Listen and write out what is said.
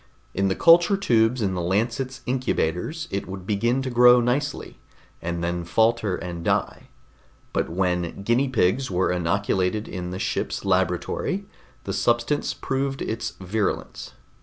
In the culture tubes in the Lancet's incubators, it would begin to grow nicely, and then falter and die, but when guinea pigs were inoculated in the ship's laboratory, the substance proved its virulence.